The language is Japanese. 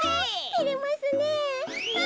てれますねえ。